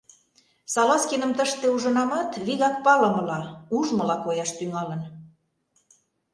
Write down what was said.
— Салазкиным тыште ужынамат, вигак палымыла, ужмыла кояш тӱҥалын.